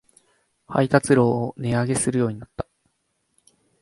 配達料を値上げするようになった